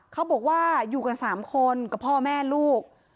เขาบอกว่าอยู่กัน๓คนกับพ่อแม่ลูก